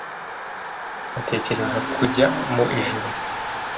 batekereza kujya mu ijuru